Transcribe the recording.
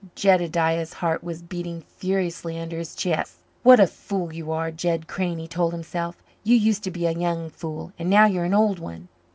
Jedediah's heart was beating furiously under his checks. "What a fool you are, Jed Crane," he told himself. "You used to be a young fool, and now you're an old one.